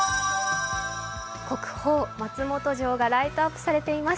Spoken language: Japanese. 国宝・松本城がライトアップされています。